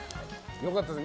良かったですね